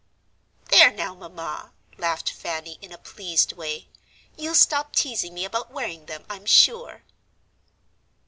"There, now, Mamma," laughed Fanny, in a pleased way; "you'll stop teasing me about wearing them, I'm sure."